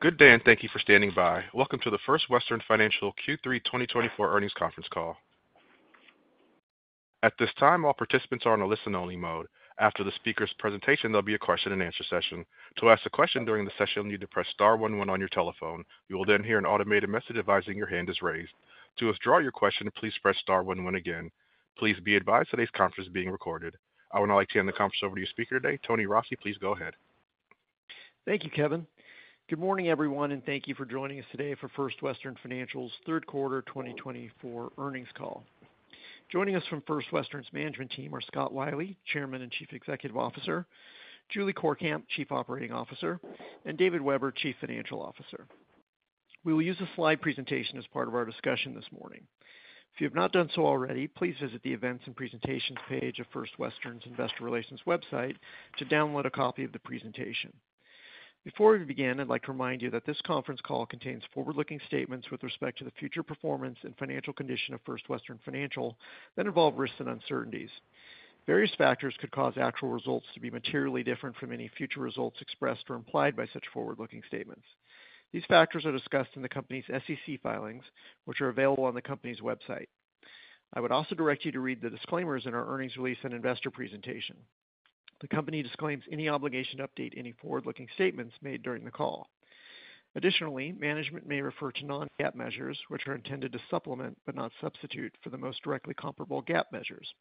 Good day, and thank you for standing by. Welcome to the First Western Financial Q3 twenty twenty-four earnings conference call. At this time, all participants are on a listen-only mode. After the speaker's presentation, there'll be a question-and-answer session. To ask a question during the session, you'll need to press star one one on your telephone. You will then hear an automated message advising your hand is raised. To withdraw your question, please press star one one again. Please be advised today's conference is being recorded. I would now like to hand the conference over to your speaker today, Tony Rossi. Please go ahead. Thank you, Kevin. Good morning, everyone, and thank you for joining us today for First Western Financial's third quarter twenty twenty-four earnings call. Joining us from First Western's management team are Scott Wiley, Chairman and Chief Executive Officer, Julie Courkamp, Chief Operating Officer, and David Weber, Chief Financial Officer. We will use a slide presentation as part of our discussion this morning. If you have not done so already, please visit the Events and Presentations page of First Western's Investor Relations website to download a copy of the presentation. Before we begin, I'd like to remind you that this conference call contains forward-looking statements with respect to the future performance and financial condition of First Western Financial that involve risks and uncertainties. Various factors could cause actual results to be materially different from any future results expressed or implied by such forward-looking statements. These factors are discussed in the company's SEC filings, which are available on the company's website. I would also direct you to read the disclaimers in our earnings release and investor presentation. The company disclaims any obligation to update any forward-looking statements made during the call. Additionally, management may refer to non-GAAP measures, which are intended to supplement, but not substitute, for the most directly comparable GAAP measures.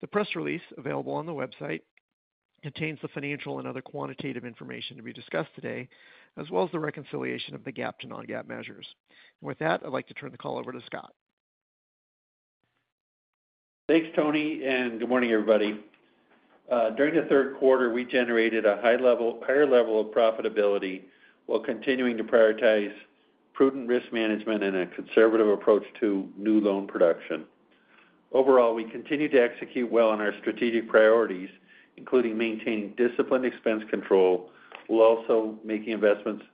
The press release available on the website contains the financial and other quantitative information to be discussed today, as well as the reconciliation of the GAAP to non-GAAP measures. With that, I'd like to turn the call over to Scott. Thanks, Tony, and good morning, everybody. During the third quarter, we generated a higher level of profitability while continuing to prioritize prudent risk management and a conservative approach to new loan production. Overall, we continue to execute well on our strategic priorities, including maintaining disciplined expense control, while also making investments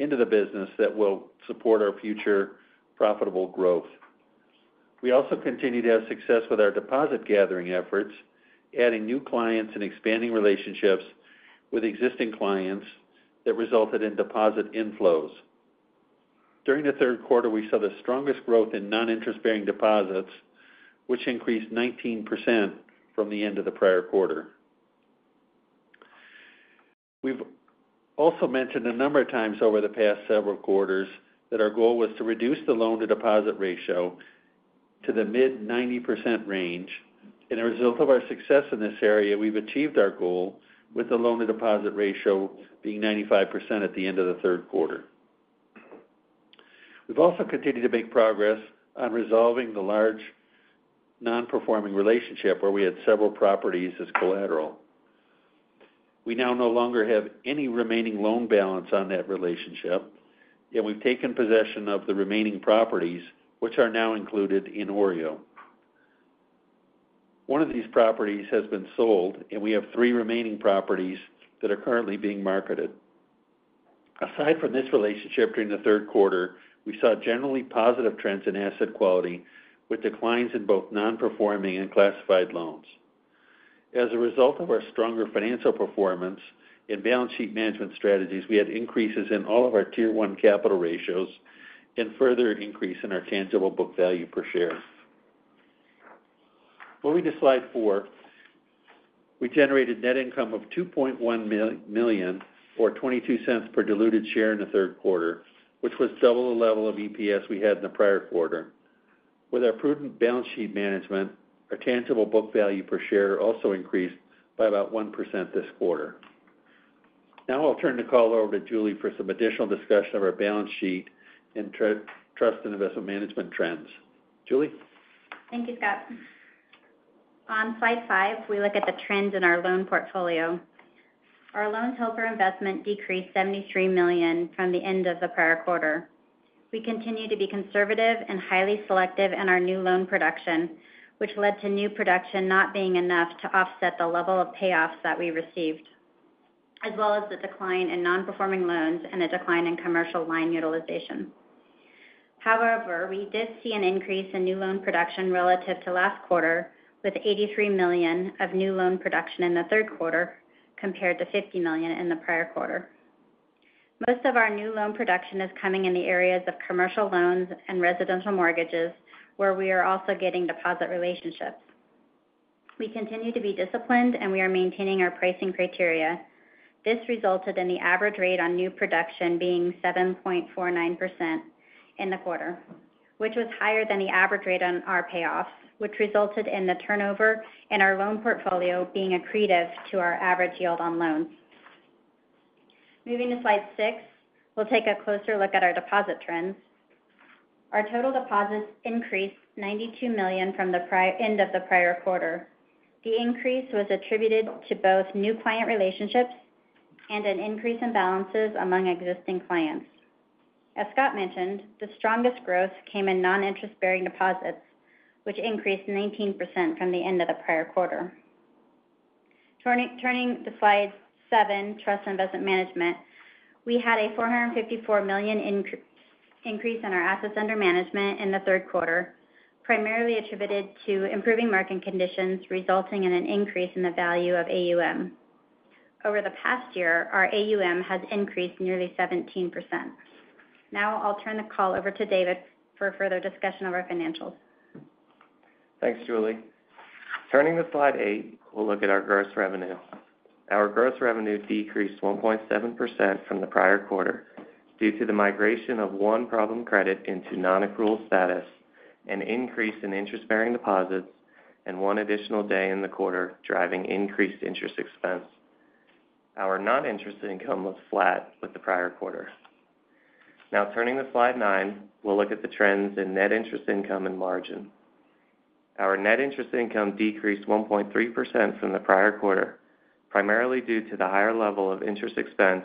into the business that will support our future profitable growth. We also continue to have success with our deposit gathering efforts, adding new clients and expanding relationships with existing clients that resulted in deposit inflows. During the third quarter, we saw the strongest growth in non-interest-bearing deposits, which increased 19% from the end of the prior quarter. We've also mentioned a number of times over the past several quarters that our goal was to reduce the loan-to-deposit ratio to the mid-90% range. As a result of our success in this area, we've achieved our goal with the loan-to-deposit ratio being 95% at the end of the third quarter. We've also continued to make progress on resolving the large non-performing relationship where we had several properties as collateral. We now no longer have any remaining loan balance on that relationship, and we've taken possession of the remaining properties, which are now included in OREO. One of these properties has been sold, and we have three remaining properties that are currently being marketed. Aside from this relationship, during the third quarter, we saw generally positive trends in asset quality, with declines in both non-performing and classified loans. As a result of our stronger financial performance and balance sheet management strategies, we had increases in all of our Tier 1 capital ratios and further increase in our tangible book value per share. Moving to slide four, we generated net income of $2.1 million, or $0.22 per diluted share in the third quarter, which was double the level of EPS we had in the prior quarter. With our prudent balance sheet management, our tangible book value per share also increased by about 1% this quarter. Now I'll turn the call over to Julie for some additional discussion of our balance sheet and trust and investment management trends. Julie? Thank you, Scott. On slide five, we look at the trends in our loan portfolio. Our loans held for investment decreased $73 million from the end of the prior quarter. We continue to be conservative and highly selective in our new loan production, which led to new production not being enough to offset the level of payoffs that we received, as well as the decline in non-performing loans and a decline in commercial line utilization. However, we did see an increase in new loan production relative to last quarter, with $83 million of new loan production in the third quarter, compared to $50 million in the prior quarter. Most of our new loan production is coming in the areas of commercial loans and residential mortgages, where we are also getting deposit relationships. We continue to be disciplined, and we are maintaining our pricing criteria. This resulted in the average rate on new production being 7.49% in the quarter, which was higher than the average rate on our payoffs, which resulted in the turnover in our loan portfolio being accretive to our average yield on loans. Moving to slide 6, we'll take a closer look at our deposit trends. Our total deposits increased $92 million from the end of the prior quarter. The increase was attributed to both new client relationships and an increase in balances among existing clients. As Scott mentioned, the strongest growth came in non-interest-bearing deposits, which increased 19% from the end of the prior quarter. Turning to slide 7, Trust and Investment Management. We had a $454 million incr... Increase in our assets under management in the third quarter, primarily attributed to improving market conditions, resulting in an increase in the value of AUM. Over the past year, our AUM has increased nearly 17%. Now, I'll turn the call over to David for further discussion of our financials. Thanks, Julie. Turning to slide eight, we'll look at our gross revenue. Our gross revenue decreased 1.7% from the prior quarter due to the migration of one problem credit into non-accrual status, an increase in interest-bearing deposits, and one additional day in the quarter, driving increased interest expense. Our non-interest income was flat with the prior quarter. Now, turning to slide nine, we'll look at the trends in net interest income and margin. Our net interest income decreased 1.3% from the prior quarter, primarily due to the higher level of interest expense,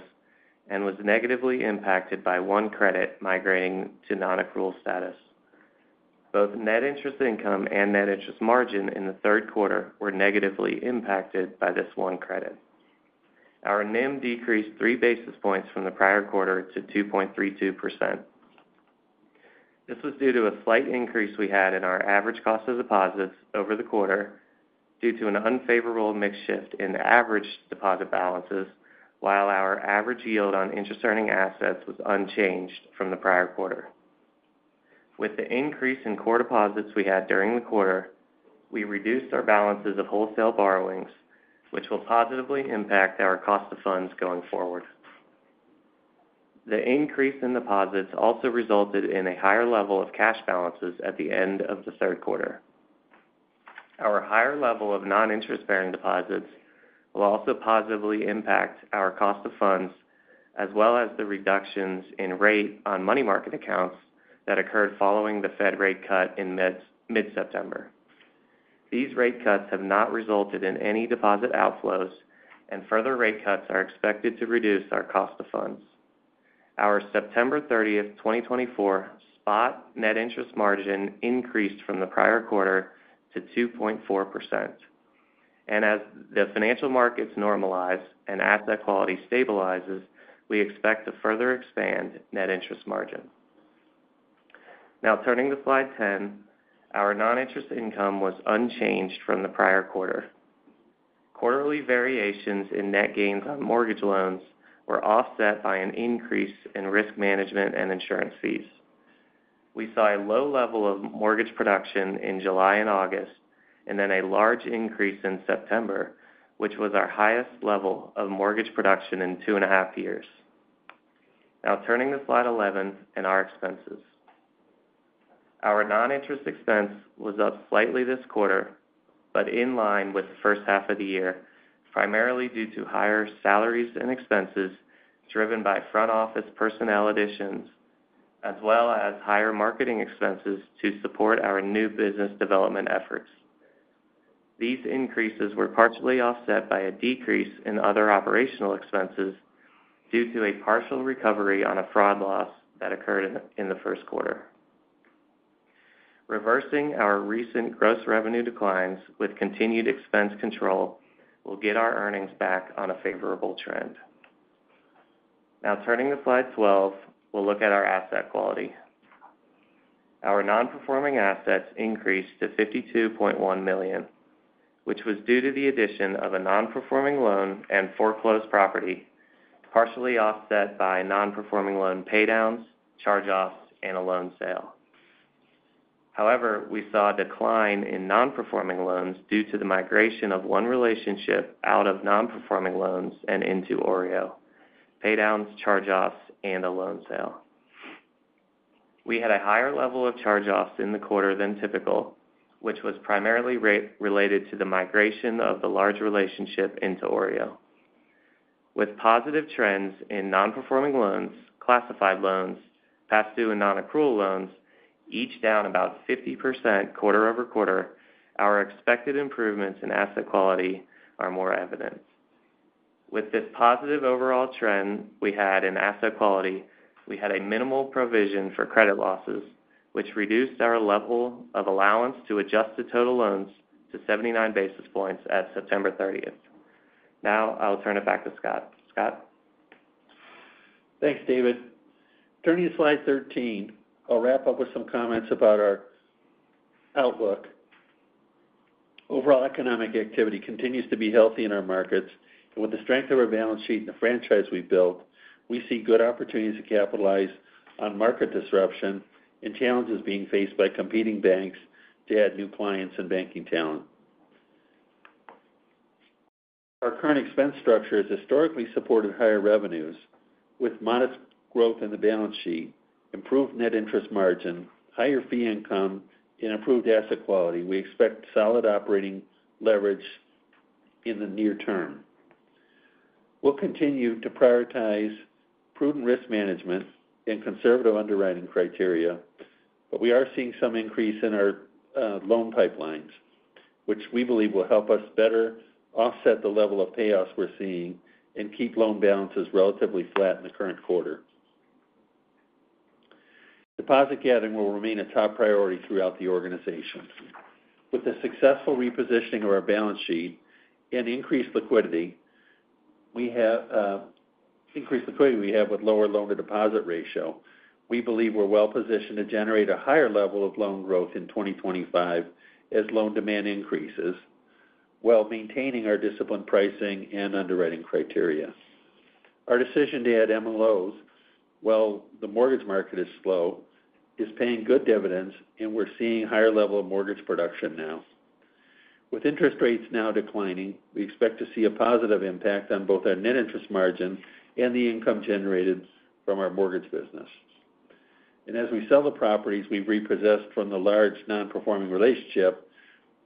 and was negatively impacted by one credit migrating to non-accrual status. Both net interest income and net interest margin in the third quarter were negatively impacted by this one credit. Our NIM decreased three basis points from the prior quarter to 2.32%. This was due to a slight increase we had in our average cost of deposits over the quarter due to an unfavorable mix shift in average deposit balances, while our average yield on interest-earning assets was unchanged from the prior quarter. With the increase in core deposits we had during the quarter, we reduced our balances of wholesale borrowings, which will positively impact our cost of funds going forward. The increase in deposits also resulted in a higher level of cash balances at the end of the third quarter. Our higher level of non-interest-bearing deposits will also positively impact our cost of funds, as well as the reductions in rate on money market accounts that occurred following the Fed rate cut in mid-September. These rate cuts have not resulted in any deposit outflows, and further rate cuts are expected to reduce our cost of funds. Our September 30, 2024, spot net interest margin increased from the prior quarter to 2.4%. And as the financial markets normalize and asset quality stabilizes, we expect to further expand net interest margin. Now, turning to slide 10, our non-interest income was unchanged from the prior quarter. Quarterly variations in net gains on mortgage loans were offset by an increase in risk management and insurance fees. We saw a low level of mortgage production in July and August, and then a large increase in September, which was our highest level of mortgage production in two and a half years. Now, turning to slide 11 and our expenses. Our non-interest expense was up slightly this quarter, but in line with the first half of the year, primarily due to higher salaries and expenses driven by front office personnel additions, as well as higher marketing expenses to support our new business development efforts. These increases were partially offset by a decrease in other operational expenses due to a partial recovery on a fraud loss that occurred in the first quarter. Reversing our recent gross revenue declines with continued expense control will get our earnings back on a favorable trend. Now, turning to slide 12, we'll look at our asset quality. Our non-performing assets increased to $52.1 million, which was due to the addition of a non-performing loan and foreclosed property, partially offset by non-performing loan paydowns, charge-offs, and a loan sale. However, we saw a decline in nonperforming loans due to the migration of one relationship out of nonperforming loans and into OREO, paydowns, charge-offs, and a loan sale. We had a higher level of charge-offs in the quarter than typical, which was primarily related to the migration of the large relationship into OREO. With positive trends in nonperforming loans, classified loans, past due and non-accrual loans, each down about 50% quarter over quarter, our expected improvements in asset quality are more evident. With this positive overall trend we had in asset quality, we had a minimal provision for credit losses, which reduced our level of allowance to adjust to total loans to 79 basis points at September thirtieth. Now, I'll turn it back to Scott. Scott? Thanks, David. Turning to slide 13, I'll wrap up with some comments about our outlook. Overall economic activity continues to be healthy in our markets, and with the strength of our balance sheet and the franchise we've built, we see good opportunities to capitalize on market disruption and challenges being faced by competing banks to add new clients and banking talent. Our current expense structure has historically supported higher revenues with modest growth in the balance sheet, improved net interest margin, higher fee income, and improved asset quality. We expect solid operating leverage in the near term. We'll continue to prioritize prudent risk management and conservative underwriting criteria, but we are seeing some increase in our loan pipelines, which we believe will help us better offset the level of payoffs we're seeing and keep loan balances relatively flat in the current quarter. Deposit gathering will remain a top priority throughout the organization. With the successful repositioning of our balance sheet and increased liquidity, we have increased the liquidity we have with lower loan-to-deposit ratio. We believe we're well positioned to generate a higher level of loan growth in 2025 as loan demand increases, while maintaining our disciplined pricing and underwriting criteria. Our decision to add MLOs, while the mortgage market is slow, is paying good dividends, and we're seeing higher level of mortgage production now. With interest rates now declining, we expect to see a positive impact on both our net interest margin and the income generated from our mortgage business, and as we sell the properties we've repossessed from the large non-performing relationship,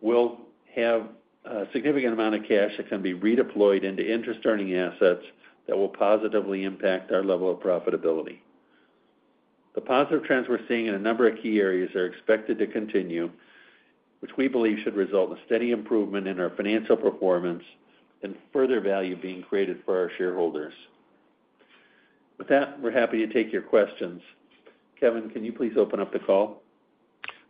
we'll have a significant amount of cash that can be redeployed into interest-earning assets that will positively impact our level of profitability. The positive trends we're seeing in a number of key areas are expected to continue, which we believe should result in steady improvement in our financial performance and further value being created for our shareholders. With that, we're happy to take your questions. Kevin, can you please open up the call?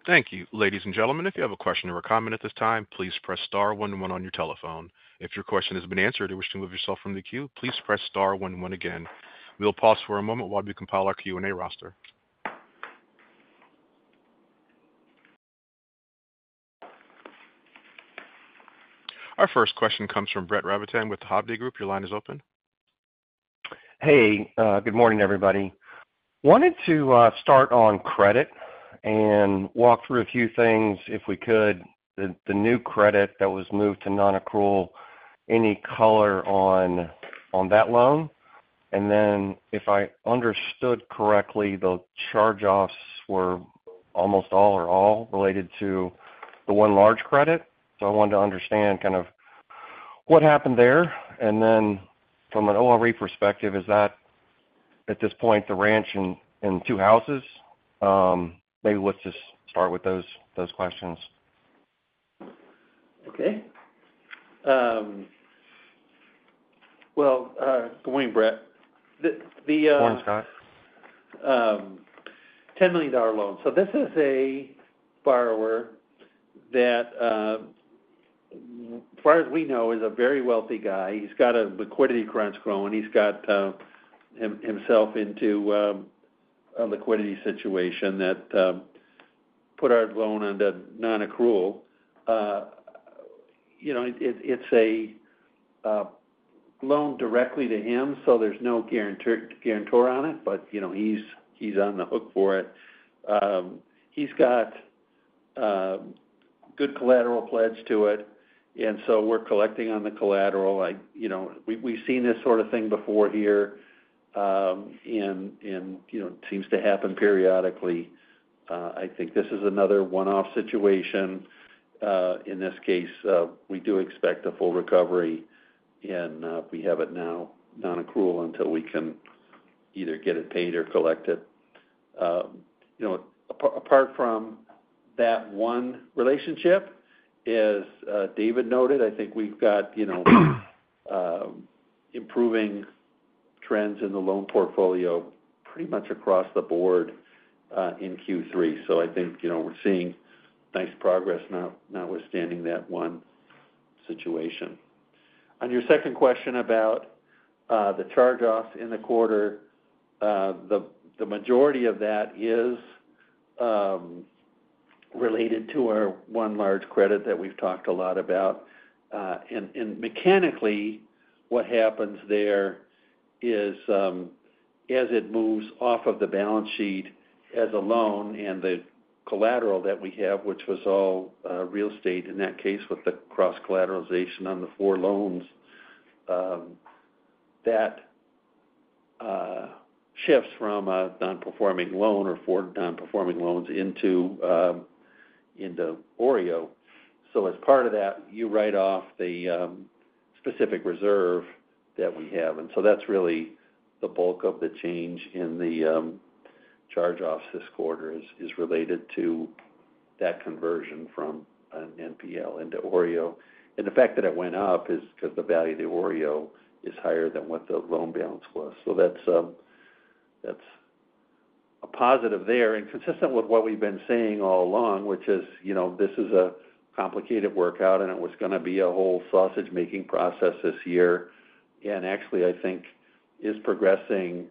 Thank you. Ladies and gentlemen, if you have a question or a comment at this time, please press star one, one on your telephone. If your question has been answered, or wish to move yourself from the queue, please press star one, one again. We'll pause for a moment while we compile our Q&A roster. Our first question comes from Brett Rabatin with the Hovde Group. Your line is open. Hey, good morning, everybody. Wanted to start on credit and walk through a few things, if we could. The new credit that was moved to non-accrual, any color on that loan? And then, if I understood correctly, the charge-offs were almost all or all related to the one large credit. So I wanted to understand kind of what happened there, and then from an OREO perspective, is that, at this point, the ranch and two houses? Maybe let's just start with those questions. Okay. Well, good morning, Brett. Morning, Scott. $10 million loan, so this is a borrower that, as far as we know, is a very wealthy guy. He's got a liquidity crunch growing. He's got himself into a liquidity situation that put our loan under non-accrual. You know, it's a loan directly to him, so there's no guarantor on it, but, you know, he's on the hook for it. He's got good collateral pledged to it, and so we're collecting on the collateral. Like, you know, we've seen this sort of thing before here, and you know, it seems to happen periodically. I think this is another one-off situation. In this case, we do expect a full recovery, and we have it now non-accrual until we can either get it paid or collected. You know, apart from that one relationship, as David noted, I think we've got, you know, improving trends in the loan portfolio pretty much across the board in Q3. So I think, you know, we're seeing nice progress, notwithstanding that one situation. On your second question about the charge-offs in the quarter, the majority of that is related to our one large credit that we've talked a lot about. And mechanically, what happens there is, as it moves off of the balance sheet as a loan and the collateral that we have, which was all real estate in that case, with the cross-collateralization on the four loans, that shifts from a nonperforming loan or four nonperforming loans into OREO. As part of that, you write off the specific reserve that we have, and so that's really the bulk of the change in the charge-offs this quarter is related to that conversion from an NPL into OREO. And the fact that it went up is because the value of the OREO is higher than what the loan balance was. So that's a positive there, and consistent with what we've been saying all along, which is, you know, this is a complicated workout, and it was gonna be a whole sausage-making process this year. And actually, I think is progressing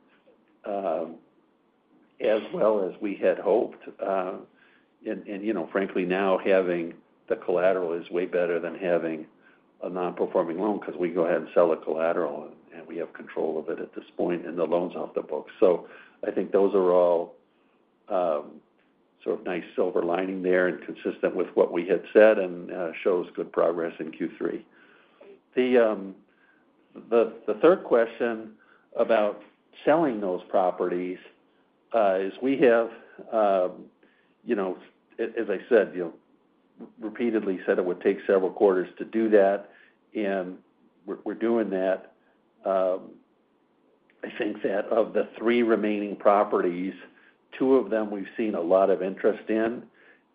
as well as we had hoped. You know, frankly, now, having the collateral is way better than having a nonperforming loan because we go ahead and sell the collateral, and we have control of it at this point, and the loan's off the book. So I think those are all sort of nice silver lining there and consistent with what we had said and shows good progress in Q3. The third question about selling those properties is we have, you know, as I said, you know, repeatedly said it would take several quarters to do that, and we're doing that. I think that of the three remaining properties, two of them we've seen a lot of interest in,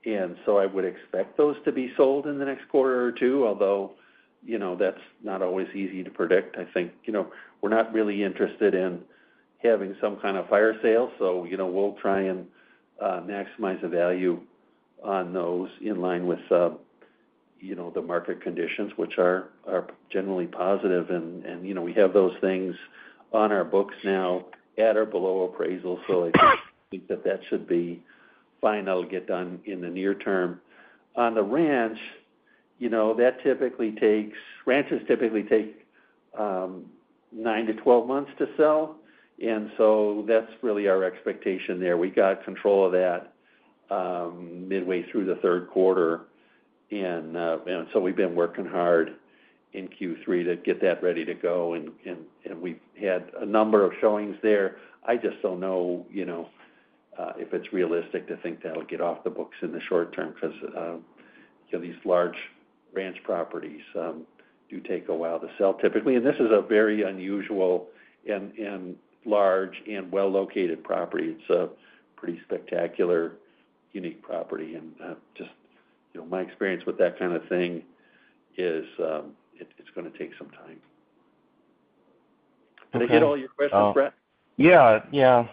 and so I would expect those to be sold in the next quarter or two, although, you know, that's not always easy to predict. I think, you know, we're not really interested in having some kind of fire sale, so, you know, we'll try and maximize the value on those in line with, you know, the market conditions, which are generally positive, and, you know, we have those things on our books now at or below appraisal. So I think that that should be final, get done in the near term. On the ranch, you know, ranches typically take nine to twelve months to sell, and so that's really our expectation there. We got control of that midway through the third quarter, and so we've been working hard in Q3 to get that ready to go, and we've had a number of showings there. I just don't know, you know, if it's realistic to think that'll get off the books in the short term, 'cause, you know, these large ranch properties do take a while to sell, typically. And this is a very unusual and large and well-located property. It's a pretty spectacular, unique property, and, just, you know, my experience with that kind of thing is, it's gonna take some time. Okay. Did I hit all your questions, Brett? Yeah. Yeah.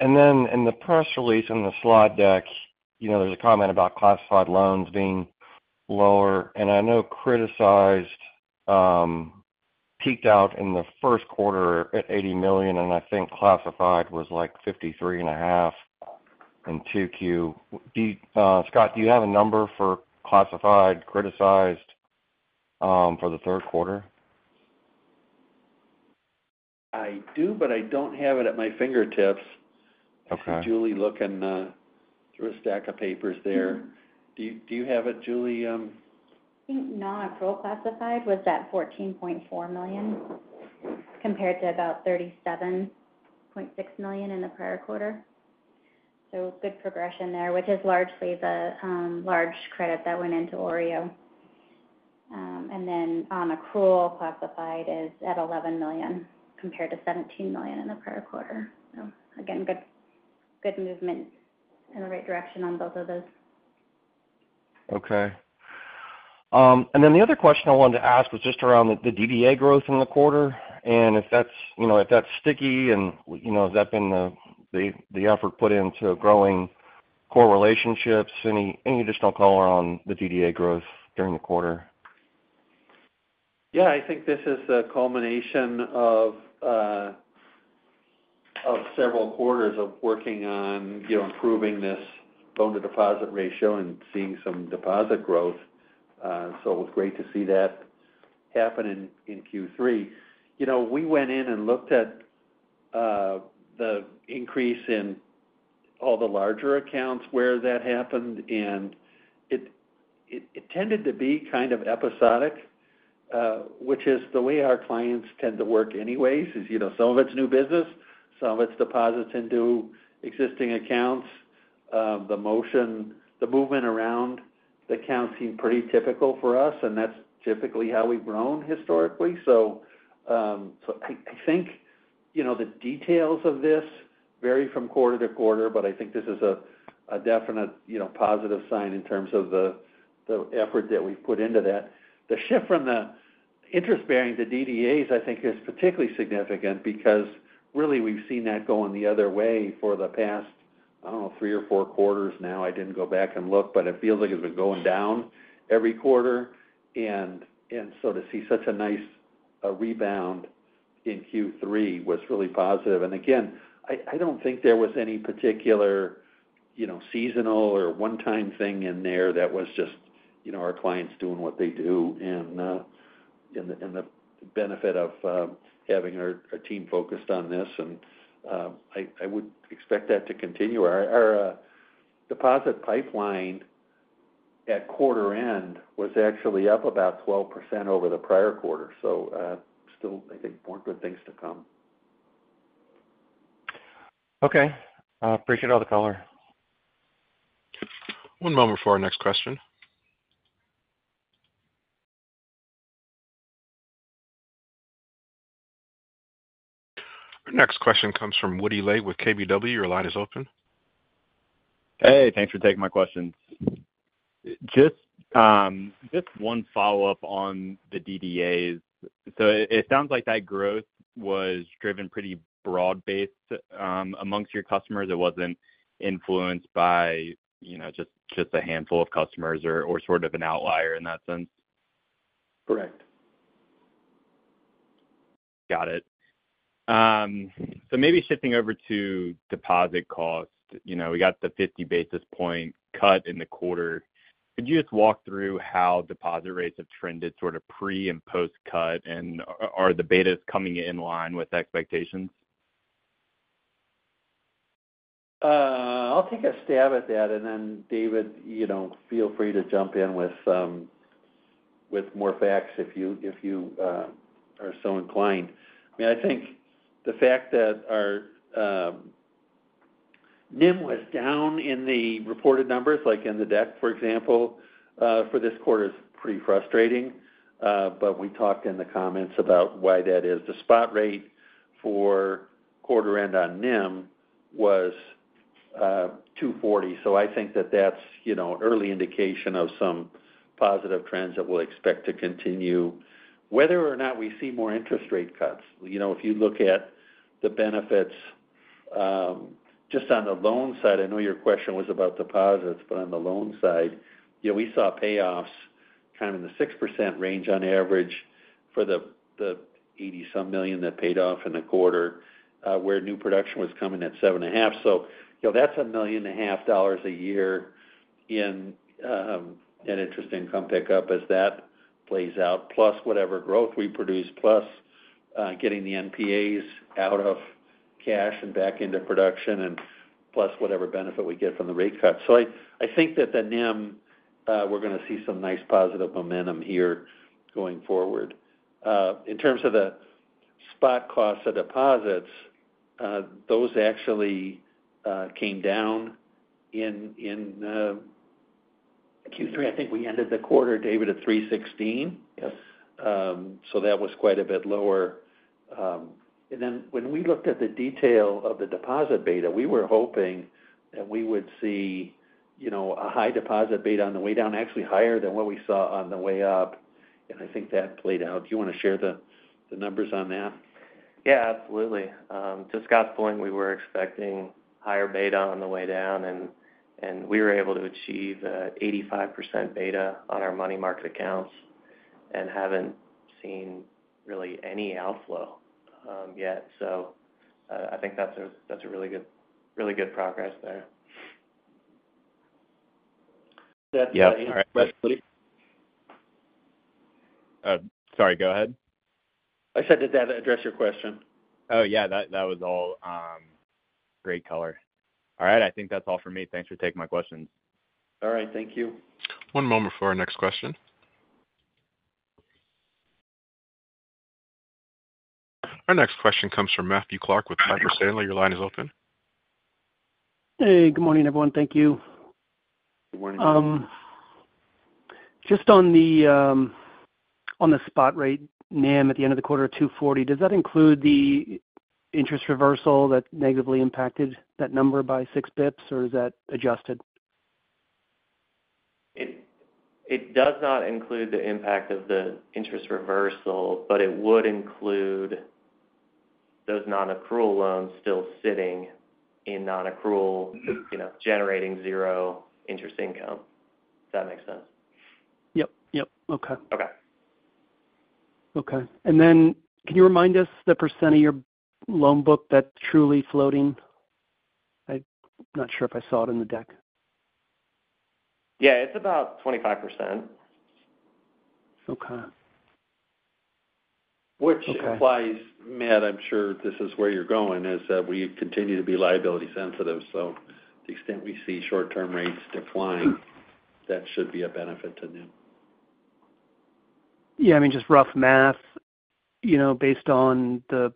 And then in the press release, in the slide deck, you know, there's a comment about classified loans being lower, and I know criticized peaked out in the first quarter at $80 million, and I think classified was like 53.5 in Q2. Do you, Scott, do you have a number for classified, criticized, for the third quarter? I do, but I don't have it at my fingertips. Okay. Julie looking through a stack of papers there. Do you have it, Julie? I think non-accrual classified was at $14.4 million, compared to about $37.6 million in the prior quarter, so good progression there, which is largely the large credit that went into OREO, and then accruing classified is at $11 million, compared to $17 million in the prior quarter, so again, good, good movement in the right direction on both of those. Okay. And then the other question I wanted to ask was just around the DDA growth in the quarter, and if that's, you know, sticky and, you know, has that been the effort put into growing core relationships? Any additional color on the DDA growth during the quarter? Yeah, I think this is a culmination of several quarters of working on, you know, improving this loan-to-deposit ratio and seeing some deposit growth. So it was great to see that happen in Q3. You know, we went in and looked at the increase in all the larger accounts where that happened, and it tended to be kind of episodic, which is the way our clients tend to work anyways. As you know, some of it's new business, some of it's deposits into existing accounts. The movement around the accounts seemed pretty typical for us, and that's typically how we've grown historically. So I think you know the details of this vary from quarter to quarter, but I think this is a definite you know positive sign in terms of the effort that we've put into that. The shift from the interest-bearing to DDAs, I think is particularly significant because really we've seen that going the other way for the past, I don't know, three or four quarters now. I didn't go back and look, but it feels like it's been going down every quarter. And so to see such a nice rebound in Q3 was really positive. And again, I don't think there was any particular you know seasonal or one-time thing in there. That was just you know our clients doing what they do and the benefit of having our team focused on this. I would expect that to continue. Our deposit pipeline at quarter end was actually up about 12% over the prior quarter, so still, I think, more good things to come. Okay. I appreciate all the color. One moment before our next question. Our next question comes from Woody Lay with KBW. Your line is open. Hey, thanks for taking my questions. Just one follow-up on the DDAs. So it sounds like that growth was driven pretty broad-based amongst your customers. It wasn't influenced by, you know, just a handful of customers or sort of an outlier in that sense? Correct. Got it. Maybe shifting over to deposit costs. You know, we got the fifty basis point cut in the quarter. Could you just walk through how deposit rates have trended sort of pre- and post-cut, and are the betas coming in line with expectations? I'll take a stab at that, and then David, you know, feel free to jump in with some with more facts if you are so inclined. I mean, I think the fact that our NIM was down in the reported numbers, like in the deck, for example, for this quarter is pretty frustrating. But we talked in the comments about why that is. The spot rate for quarter end on NIM was 2.40, so I think that's you know, early indication of some positive trends that we'll expect to continue. Whether or not we see more interest rate cuts, you know, if you look at the benefits, just on the loan side, I know your question was about deposits, but on the loan side, yeah, we saw payoffs kind of in the 6% range on average for the, the eighty-some million that paid off in the quarter, where new production was coming at 7.5%. So, you know, that's $1.5 million a year in an interest income pickup as that plays out, plus whatever growth we produce, plus getting the NPAs out of cash and back into production, and plus whatever benefit we get from the rate cut. So I, I think that the NIM, we're gonna see some nice positive momentum here going forward. In terms of the spot costs of deposits, those actually came down in Q3. I think we ended the quarter, David, at 3.16? Yes. So that was quite a bit lower. And then when we looked at the detail of the deposit beta, we were hoping that we would see, you know, a high deposit beta on the way down, actually higher than what we saw on the way up. And I think that played out. Do you want to share the numbers on that? Yeah, absolutely. To Scott's point, we were expecting higher beta on the way down, and we were able to achieve a 85% beta on our money market accounts and haven't seen really any outflow yet. So, I think that's a really good progress there. Does that address- Yeah. All right. Sorry, go ahead. I said, does that address your question? Oh, yeah, that was all great color. All right, I think that's all for me. Thanks for taking my questions. All right, thank you. One moment for our next question. Our next question comes from Matthew Clark with Piper Sandler. Your line is open. Hey, good morning, everyone. Thank you. Good morning. Just on the spot rate, NIM, at the end of the quarter, two forty, does that include the interest reversal that negatively impacted that number by six basis points, or is that adjusted? It does not include the impact of the interest reversal, but it would include those non-accrual loans still sitting in non-accrual. Mm-hmm... you know, generating zero interest income. Does that make sense? Yep, yep. Okay. Okay. Okay. And then can you remind us the % of your loan book that's truly floating? I'm not sure if I saw it in the deck. Yeah, it's about 25%. Okay. Which implies- Okay... Matt, I'm sure this is where you're going, is that we continue to be liability sensitive. So to the extent we see short-term rates declining, that should be a benefit to NIM. Yeah, I mean, just rough math, you know, based on the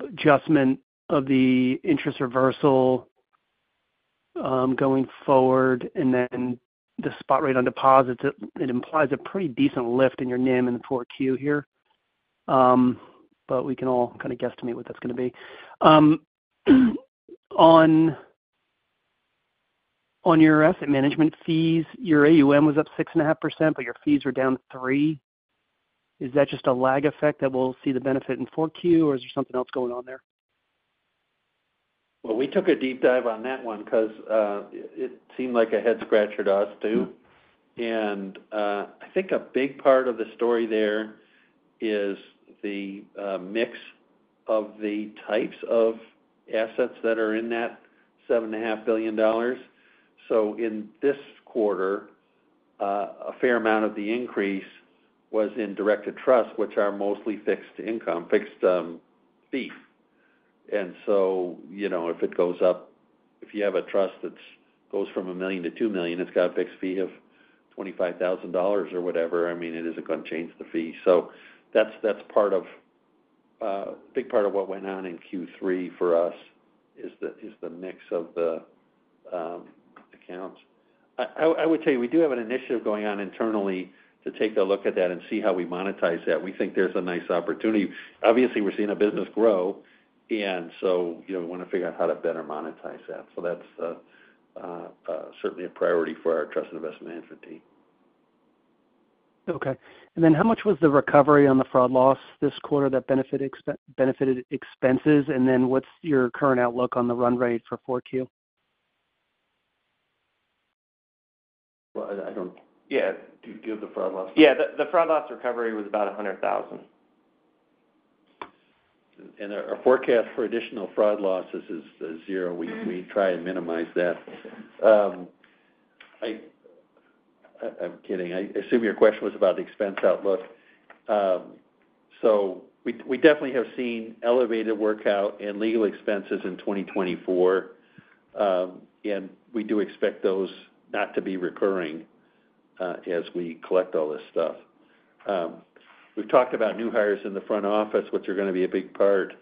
adjustment of the interest reversal, going forward, and then the spot rate on deposits, it implies a pretty decent lift in your NIM in the 4Q here. But we can all kind of guesstimate what that's gonna be. On your asset management fees, your AUM was up 6.5%, but your fees were down 3%. Is that just a lag effect that we'll see the benefit in 4Q, or is there something else going on there? We took a deep dive on that one because it seemed like a head-scratcher to us, too. Mm-hmm. I think a big part of the story there is the mix of the types of assets that are in that $7.5 billion. So in this quarter, a fair amount of the increase was in directed trust, which are mostly fixed income fixed fee. And so, you know, if it goes up, if you have a trust that goes from $1 million to $2 million, it's got a fixed fee of $25,000 or whatever. I mean, it isn't gonna change the fee. So that's, that's part of a big part of what went on in Q3 for us, is the mix of the accounts. I would tell you, we do have an initiative going on internally to take a look at that and see how we monetize that. We think there's a nice opportunity. Obviously, we're seeing our business grow, and so, you know, we want to figure out how to better monetize that. So that's certainly a priority for our trust and investment management team. Okay. And then how much was the recovery on the fraud loss this quarter that benefited expenses? And then what's your current outlook on the run rate for 4Q? I don't... Yeah. Do give the fraud loss. Yeah, the fraud loss recovery was about $100,000. Our forecast for additional fraud losses is zero. Mm-hmm. We try to minimize that. I'm kidding. I assume your question was about the expense outlook. So we definitely have seen elevated workout and legal expenses in 2024, and we do expect those not to be recurring, as we collect all this stuff. We've talked about new hires in the front office, which are gonna be a big part,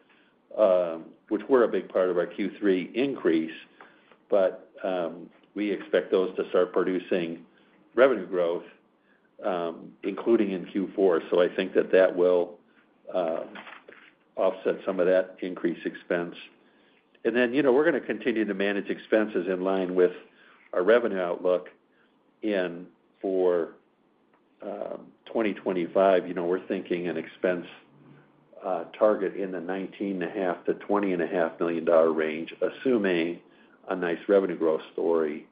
which were a big part of our Q3 increase, but we expect those to start producing revenue growth, including in Q4. So I think that will offset some of that increased expense. And then, you know, we're going to continue to manage expenses in line with our revenue outlook for 2025. You know, we're thinking an expense target in the $19.5 million-$20.5 million range, assuming a nice revenue growth story,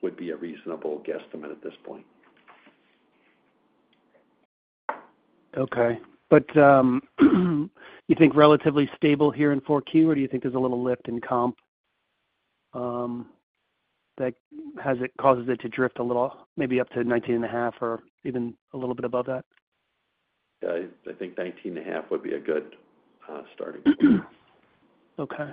would be a reasonable guesstimate at this point. Okay. But you think relatively stable here in 4Q, or do you think there's a little lift in comp that causes it to drift a little, maybe up to 19.5 or even a little bit above that? Yeah, I think 19.5 would be a good starting point. Okay.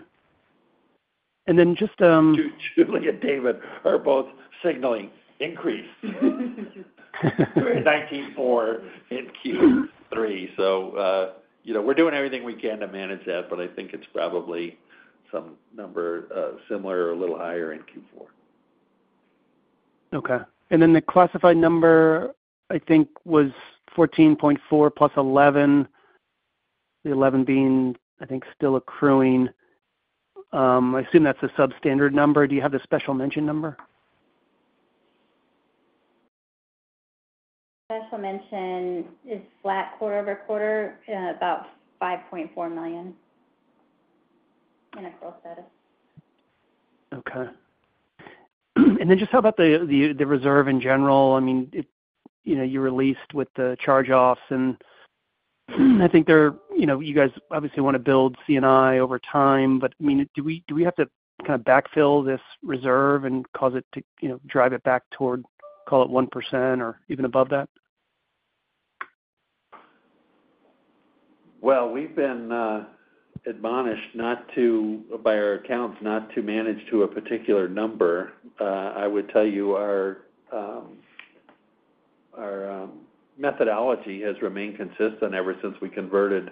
And then just... Julie and David are both signaling increase. 19.4 in Q3. So, you know, we're doing everything we can to manage that, but I think it's probably some number, similar or a little higher in Q4. Okay. And then the classified number, I think, was 14.4 plus 11, the 11 being, I think, still accruing. I assume that's a substandard number. Do you have the special mention number? Special mention is flat quarter over quarter, about $5.4 million in a gross status. Okay. And then just how about the reserve in general? I mean, it-- you know, you released with the charge-offs, and I think they're, you know, you guys obviously want to build C&I over time, but, I mean, do we have to kind of backfill this reserve and cause it to, you know, drive it back toward, call it 1% or even above that? We've been admonished not to, by our accounts, not to manage to a particular number. I would tell you our methodology has remained consistent ever since we converted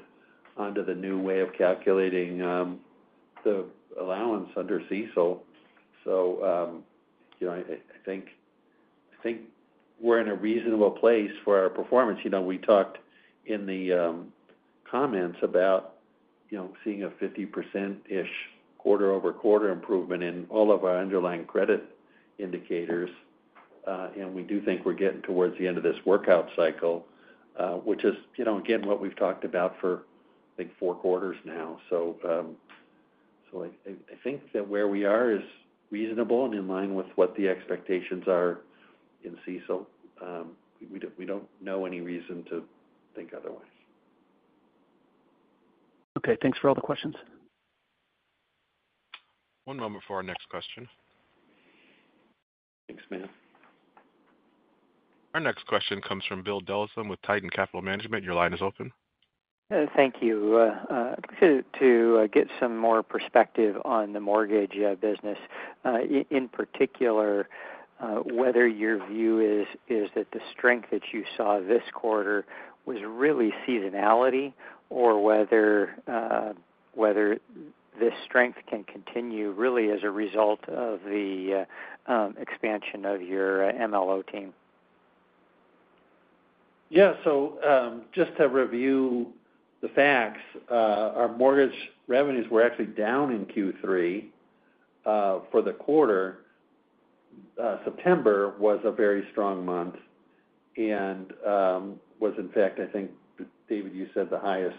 onto the new way of calculating the allowance under CECL. You know, I think we're in a reasonable place for our performance. You know, we talked in the comments about seeing a 50%-ish quarter over quarter improvement in all of our underlying credit indicators, and we do think we're getting towards the end of this workout cycle, which is, you know, again, what we've talked about for, I think, four quarters now. I think that where we are is reasonable and in line with what the expectations are in CECL. We don't know any reason to think otherwise. Okay. Thanks for all the questions. One moment for our next question. Thanks, ma'am. Our next question comes from Will Dezellem with Tieton Capital Management. Your line is open. Thank you. To get some more perspective on the mortgage business, in particular, whether your view is that the strength that you saw this quarter was really seasonality, or whether this strength can continue really as a result of the expansion of your MLO team? Yeah. So, just to review the facts, our mortgage revenues were actually down in Q3 for the quarter. September was a very strong month and was in fact, I think, David, you said the highest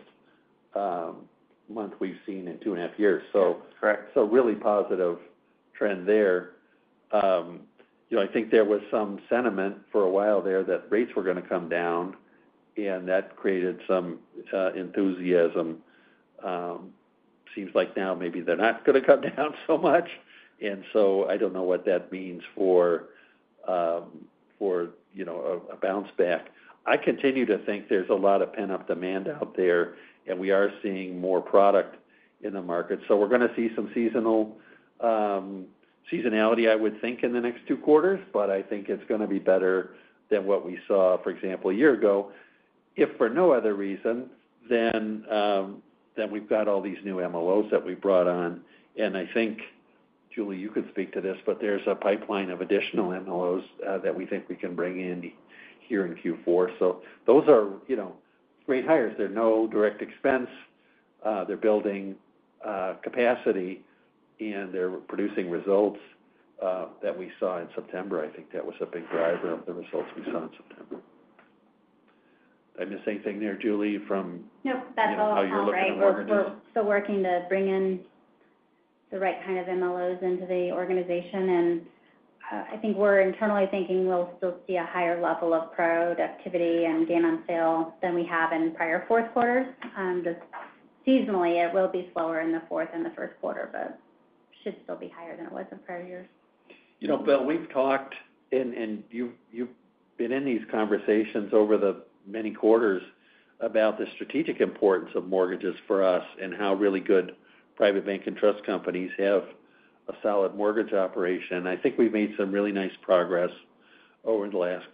month we've seen in two and a half years. So- Correct. So really positive trend there. You know, I think there was some sentiment for a while there that rates were going to come down, and that created some enthusiasm. Seems like now maybe they're not going to come down so much, and so I don't know what that means for, you know, a bounce back. I continue to think there's a lot of pent-up demand out there, and we are seeing more product in the market. So we're gonna see some seasonal seasonality, I would think, in the next two quarters, but I think it's gonna be better than what we saw, for example, a year ago, if for no other reason, then we've got all these new MLOs that we brought on. And I think, Julie, you could speak to this, but there's a pipeline of additional MLOs that we think we can bring in here in Q4. So those are, you know, great hires. They're no direct expense. They're building capacity, and they're producing results that we saw in September. I think that was a big driver of the results we saw in September. And the same thing there, Julie, from- Yep, that's all out, right? How you're looking at mortgages? We're still working to bring in the right kind of MLOs into the organization, and I think we're internally thinking we'll still see a higher level of productivity and gain on sale than we have in prior fourth quarters. Just seasonally, it will be slower in the fourth and the first quarter, but should still be higher than it was in prior years. You know, Bill, we've talked, and you've been in these conversations over the many quarters about the strategic importance of mortgages for us and how really good private bank and trust companies have a solid mortgage operation. I think we've made some really nice progress over the last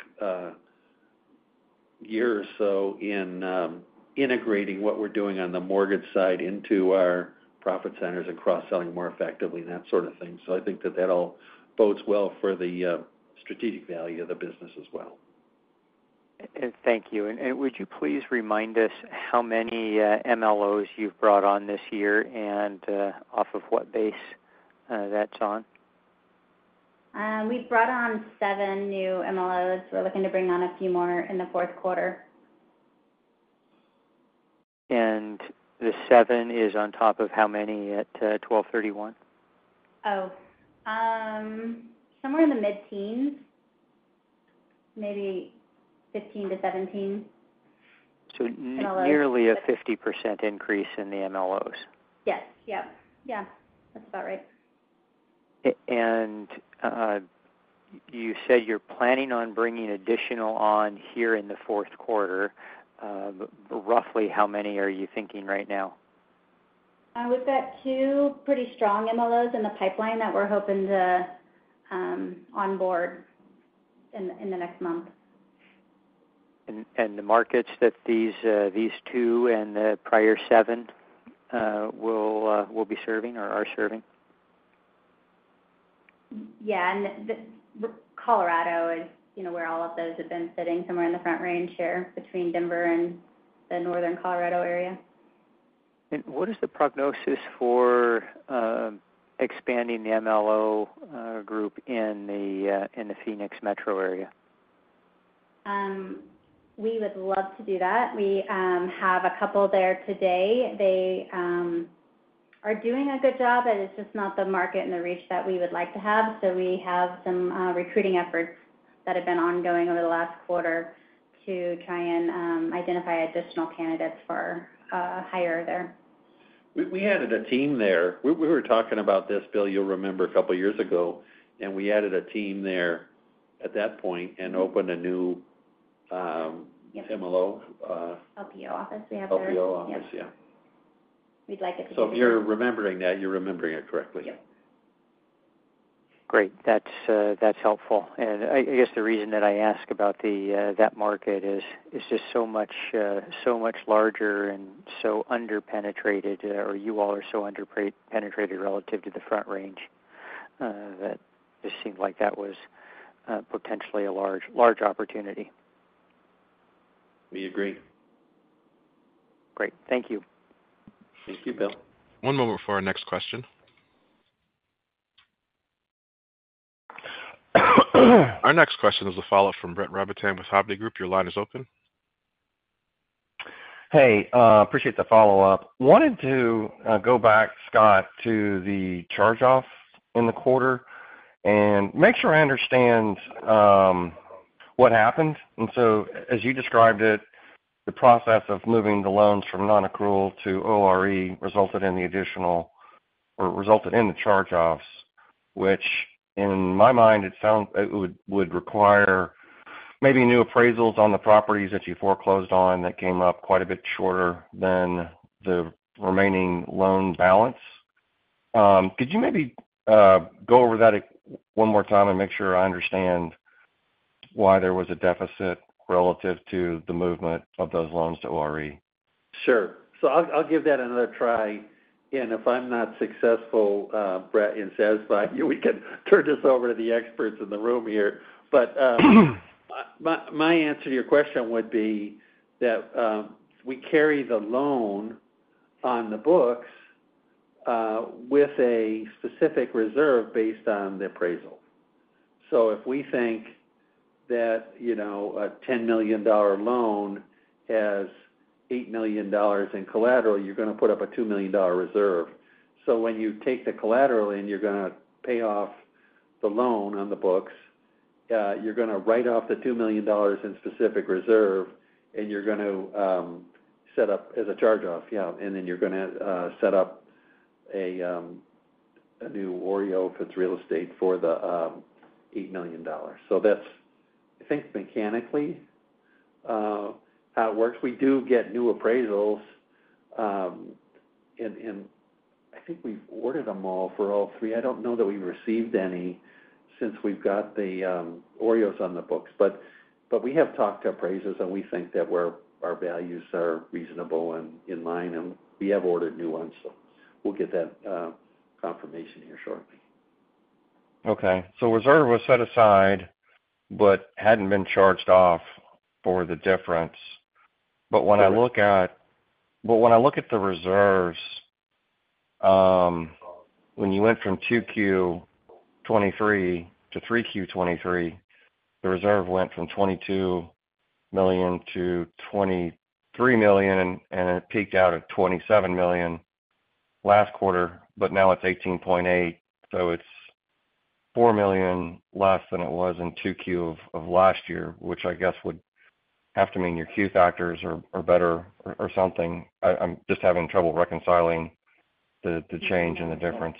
year or so in integrating what we're doing on the mortgage side into our profit centers and cross-selling more effectively and that sort of thing. So I think that that all bodes well for the strategic value of the business as well.... Thank you. And would you please remind us how many MLOs you've brought on this year, and off of what base that's on? We've brought on seven new MLOs. We're looking to bring on a few more in the fourth quarter. The seven is on top of how many at twelve thirty-one? Oh, somewhere in the mid-teens, maybe fifteen to seventeen. So nearly a 50% increase in the MLOs? Yes. Yep. Yeah, that's about right. You said you're planning on bringing additional on here in the fourth quarter. Roughly, how many are you thinking right now? We've got two pretty strong MLOs in the pipeline that we're hoping to onboard in the next month. The markets that these two and the prior seven will be serving or are serving? Yeah, and the Colorado is, you know, where all of those have been sitting, somewhere in the Front Range here between Denver and the Northern Colorado area. What is the prognosis for expanding the MLO group in the Phoenix metro area? We would love to do that. We have a couple there today. They are doing a good job, but it's just not the market and the reach that we would like to have. So we have some recruiting efforts that have been ongoing over the last quarter to try and identify additional candidates for hire there. We added a team there. We were talking about this, Bill. You'll remember a couple years ago, and we added a team there at that point and opened a new, Yes... MLO LPO office we have there. LPO office. Yeah. Yeah. We'd like it to be- If you're remembering that, you're remembering it correctly. Yep. Great. That's, that's helpful. And I, I guess the reason that I ask about the, that market is it's just so much, so much larger and so underpenetrated, or you all are so underpenetrated relative to the Front Range, that it seemed like that was, potentially a large, large opportunity. We agree. Great. Thank you. Thank you, Bill. One moment for our next question. Our next question is a follow-up from Brett Rabatin with Hovde Group. Your line is open. Hey, appreciate the follow-up. Wanted to go back, Scott, to the charge-offs in the quarter and make sure I understand what happened. As you described it, the process of moving the loans from non-accrual to OREO resulted in the additional or resulted in the charge-offs, which in my mind, it sounds it would require maybe new appraisals on the properties that you foreclosed on that came up quite a bit shorter than the remaining loan balance. Could you maybe go over that one more time and make sure I understand why there was a deficit relative to the movement of those loans to OREO? Sure. So I'll give that another try, and if I'm not successful, Brett, and satisfied, we can turn this over to the experts in the room here. But my answer to your question would be that we carry the loan on the books with a specific reserve based on the appraisal. So if we think that, you know, a $10 million dollar loan has $8 million dollars in collateral, you're gonna put up a $2 million dollar reserve. So when you take the collateral and you're gonna pay off the loan on the books, you're gonna write off the $2 million dollars in specific reserve, and you're gonna set up as a charge-off. Yeah, and then you're gonna set up a new OREO if it's real estate for the $8 million dollars. So that's, I think, mechanically, how it works. We do get new appraisals, and I think we've ordered them all for all three. I don't know that we've received any since we've got the OREOs on the books. But we have talked to appraisers, and we think that our values are reasonable and in line, and we have ordered new ones, so we'll get that confirmation here shortly. Okay, so reserve was set aside but hadn't been charged off for the difference. Sure. But when I look at the reserves, when you went from 2Q 2023 to 3Q 2023, the reserve went from $22 million to $23 million, and it peaked out at $27 million last quarter, but now it's $18.8 million. So it's $4 million less than it was in 2Q of last year, which I guess would have to mean your Q factors are better or something. I'm just having trouble reconciling the change and the difference.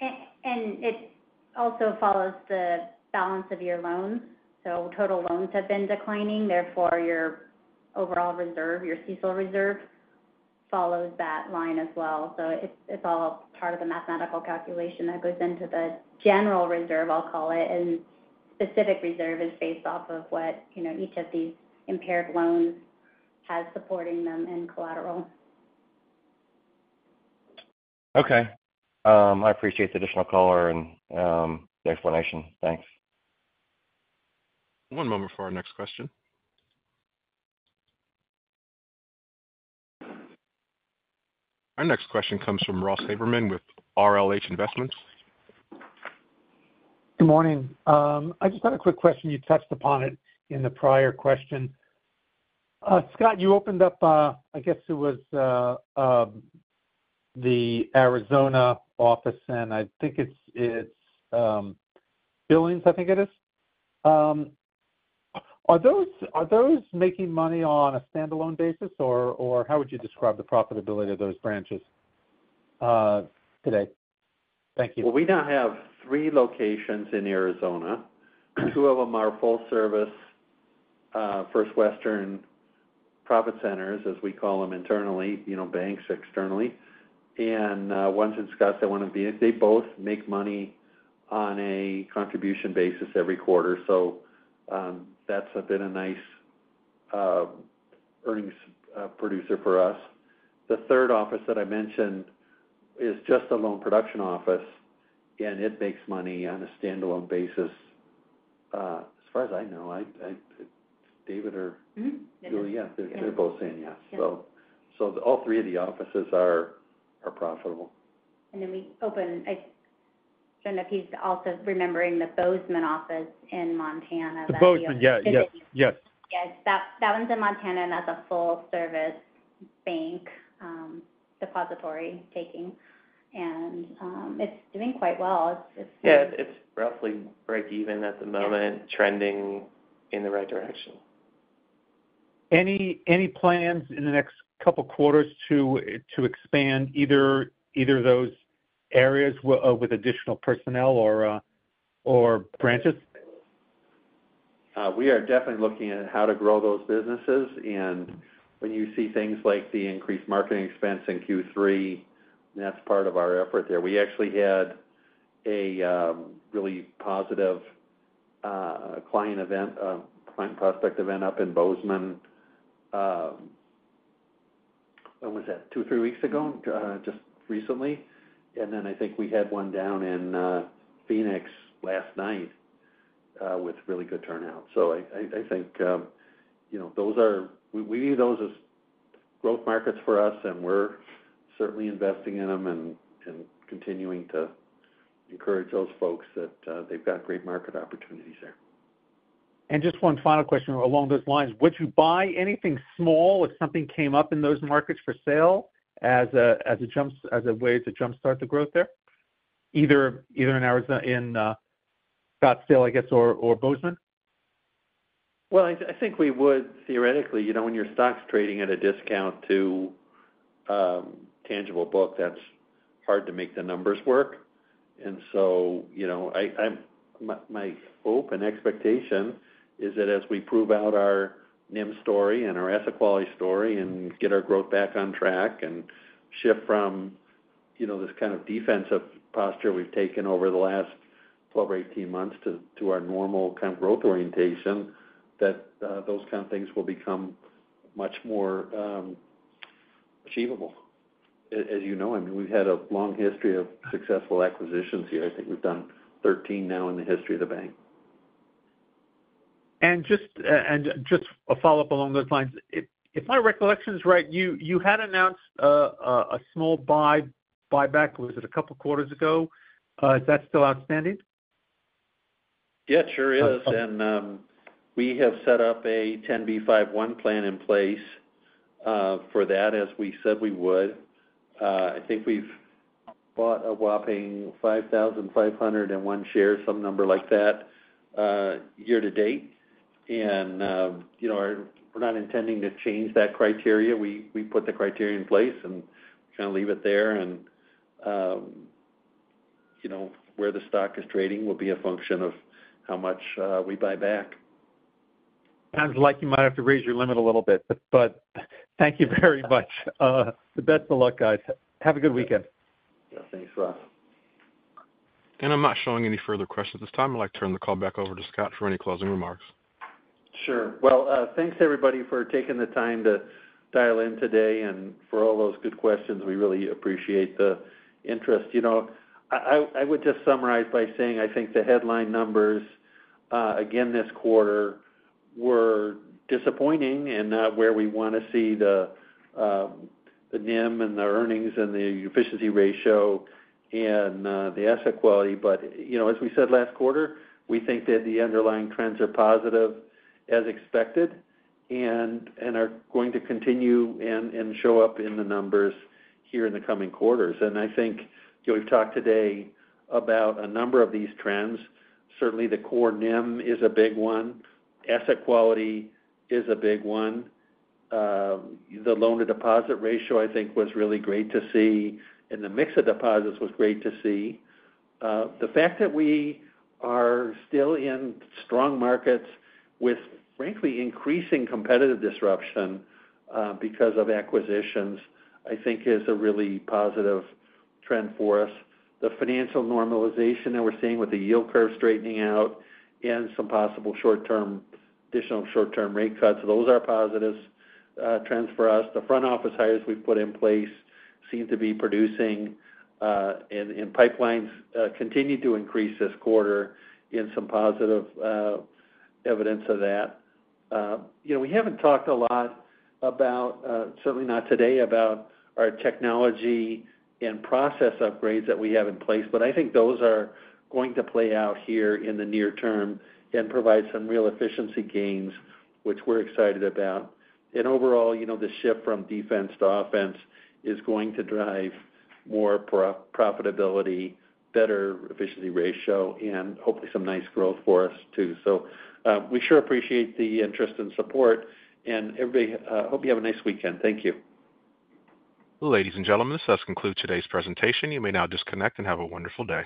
And it also follows the balance of your loans. So total loans have been declining, therefore, your overall reserve, your CECL reserve, follows that line as well. So it's all part of the mathematical calculation that goes into the general reserve, I'll call it, and specific reserve is based off of what, you know, each of these impaired loans has supporting them in collateral.... Okay. I appreciate the additional color and the explanation. Thanks. One moment for our next question. Our next question comes from Ross Haberman with RLH Investments. Good morning. I just had a quick question. You touched upon it in the prior question. Scott, you opened up, I guess it was, the Arizona office, and I think it's Billings, I think it is. Are those making money on a standalone basis, or how would you describe the profitability of those branches today? Thank you. We now have three locations in Arizona. Two of them are full service First Western profit centers, as we call them internally, you know, banks externally, and one's in Scottsdale, one in Phoenix. They both make money on a contribution basis every quarter, so that's been a nice earnings producer for us. The third office that I mentioned is just a loan production office, and it makes money on a standalone basis, as far as I know. David or- Mm-hmm. Oh, yeah, they're both saying yes. Yes. All three of the offices are profitable. And then we opened. I don't know if he's also remembering the Bozeman office in Montana. The Bozeman, yeah, yes, yes. Yes, that one's in Montana, and that's a full-service bank, depository taking. And it's doing quite well. It's Yeah, it's roughly breakeven at the moment. Yes. Trending in the right direction. Any plans in the next couple quarters to expand either of those areas with additional personnel or branches? We are definitely looking at how to grow those businesses, and when you see things like the increased marketing expense in Q3, that's part of our effort there. We actually had a really positive client event, client prospect event up in Bozeman. When was that? Two, three weeks ago, just recently, and then I think we had one down in Phoenix last night with really good turnout. So I think, you know, those are. We view those as growth markets for us, and we're certainly investing in them and continuing to encourage those folks that they've got great market opportunities there. Just one final question along those lines. Would you buy anything small if something came up in those markets for sale, as a way to jumpstart the growth there, either in Arizona, in Scottsdale, I guess, or Bozeman? I think we would theoretically. You know, when your stock's trading at a discount to tangible book, that's hard to make the numbers work, and so, you know, my hope and expectation is that as we prove out our NIM story and our asset quality story and get our growth back on track and shift from, you know, this kind of defensive posture we've taken over the last 12 or 18 months to our normal kind of growth orientation, that those kind of things will become much more achievable. As you know, I mean, we've had a long history of successful acquisitions here. I think we've done 13 now in the history of the bank. And just a follow-up along those lines. If my recollection is right, you had announced a small buyback, was it a couple quarters ago? Is that still outstanding? Yeah, it sure is. And we have set up a 10b5-1 plan in place for that, as we said we would. I think we've bought a whopping five thousand five hundred and one shares, some number like that, year to date. And you know, we're not intending to change that criteria. We put the criteria in place and kind of leave it there. And you know, where the stock is trading will be a function of how much we buy back. Sounds like you might have to raise your limit a little bit, but thank you very much. The best of luck, guys. Have a good weekend. Yeah. Thanks, Ross. I'm not showing any further questions at this time. I'd like to turn the call back over to Scott for any closing remarks. Sure. Well, thanks, everybody, for taking the time to dial in today and for all those good questions. We really appreciate the interest. You know, I would just summarize by saying, I think the headline numbers, again, this quarter were disappointing and not where we want to see the, the NIM and the earnings and the efficiency ratio and the asset quality. But, you know, as we said last quarter, we think that the underlying trends are positive as expected, and are going to continue and show up in the numbers here in the coming quarters. And I think, you know, we've talked today about a number of these trends. Certainly, the core NIM is a big one. Asset quality is a big one. The loan-to-deposit ratio, I think, was really great to see, and the mix of deposits was great to see. The fact that we are still in strong markets with, frankly, increasing competitive disruption because of acquisitions, I think is a really positive trend for us. The financial normalization that we're seeing with the yield curve straightening out and some possible short-term, additional short-term rate cuts, those are positives, trends for us. The front office hires we've put in place seem to be producing, and pipelines continue to increase this quarter in some positive evidence of that. You know, we haven't talked a lot about, certainly not today, about our technology and process upgrades that we have in place, but I think those are going to play out here in the near term and provide some real efficiency gains, which we're excited about. Overall, you know, the shift from defense to offense is going to drive more profitability, better efficiency ratio, and hopefully, some nice growth for us, too. So, we sure appreciate the interest and support, and everybody hope you have a nice weekend. Thank you. Ladies and gentlemen, this does conclude today's presentation. You may now disconnect and have a wonderful day.